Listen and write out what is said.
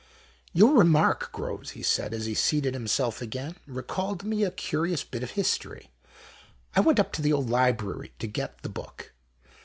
" Your remark, Groves," he said as he seated himself again, " recalled to me a curious bit of history : I went up to the old library to get the book.